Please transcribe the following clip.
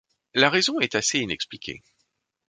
La raison est assez inexpliquée.